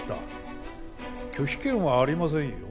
拒否権はありませんよ。